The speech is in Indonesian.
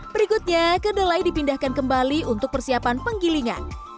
berikutnya kedelai dipindahkan kembali untuk persiapan penggilingan